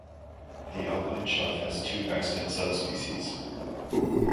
The Alpine chough has two extant subspecies.